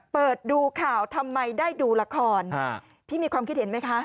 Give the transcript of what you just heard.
เปิดดูข่าวทำไมได้ดูละครพี่มีความคิดเห็นไหมคะ